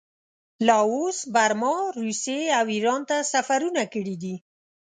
لاوس، برما، روسیې او ایران ته سفرونه کړي دي.